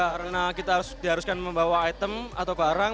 karena kita harus diharuskan membawa item atau barang